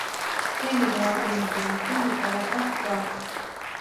მთელი რაოდენობა იმ ხილისა რაც აქ გვაქვს.